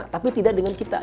tapi tidak dengan kita